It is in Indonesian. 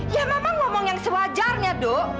ya mama ngomong yang sewajarnya do